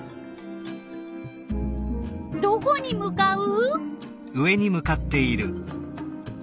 どこに向かう？